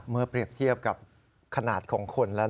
เมื่อเปรียบเทียบกับขนาดของคนแล้วนะ